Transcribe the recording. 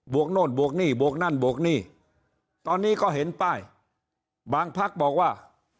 โน่นบวกหนี้บวกนั่นบวกหนี้ตอนนี้ก็เห็นป้ายบางพักบอกว่า